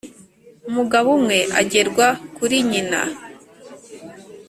Umugabo umwe agerwa kuri nyina.